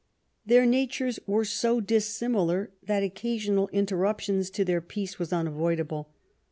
Their natures were so dissimilar, that occasional interruptions to their peace were unavoidable.